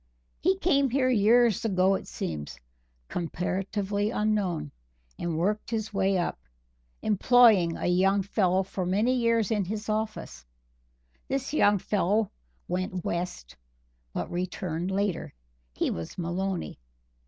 He came here years ago it seems, comparatively unknown, and worked his way up, employing a young fellow for many years in his office. This young fellow went West, but returned later. He was Maloney.